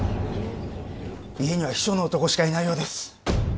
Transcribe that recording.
家には秘書の男しかいないようです